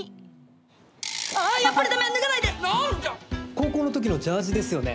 高校の時のジャージですよね。